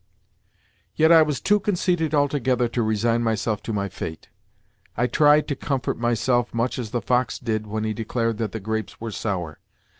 Yet I was too conceited altogether to resign myself to my fate. I tried to comfort myself much as the fox did when he declared that the grapes were sour.